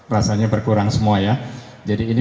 rasanya berkurang semua ya jadi ini